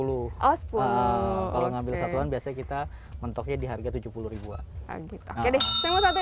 oh sepuluh kalau ngambil satuan biasanya kita mentoknya di harga tujuh puluh oke deh saya mau satu yang masih